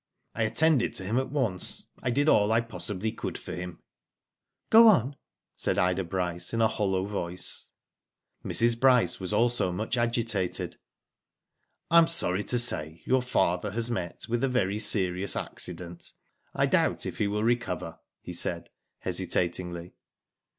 I attended to him at once. I did all I possibly could for him." Go on," said Ida Bryce in a hollow voice. Mrs. Bryce was also much agitated. " I am sorry to say your father has met with a very serious accident. I doubt if he will recover," he said, hesitatingly.